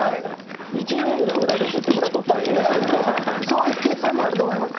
１イニングで、裏で１０点ぐらいそういう計算もあるとは思います。